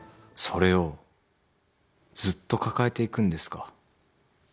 「それをずっと抱えていくんですか？」